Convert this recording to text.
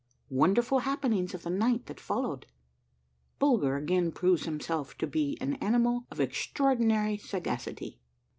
— WONDERFUL HAPPENINGS OF THE NIGHT THAT FOL LOWED. — BULGER AGAIN PROVES HIMSELF TO BE AN ANI MAL OF EXTRAORDINARY SAGACITY.